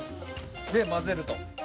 で混ぜると。